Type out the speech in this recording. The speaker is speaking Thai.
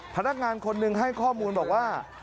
พนักงานคนหนึ่งให้ข้อมูลบอกว่า